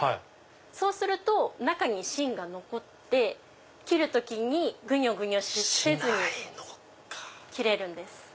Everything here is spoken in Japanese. そうすると中にしんが残って切る時にぐにょぐにょせずに切れるんです。